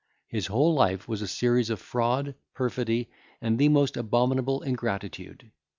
His whole life was a series of fraud, perfidy, and the most abominable ingratitude.